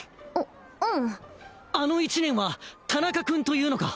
ううんあの１年は田中君というのか？